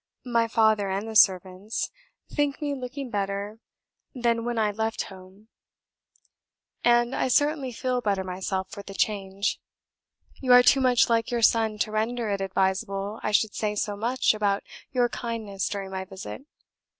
My father and the servants think me looking better than when I felt home, and I certainly feel better myself for the change. You are too much like your son to render it advisable I should say much about your kindness during my visit.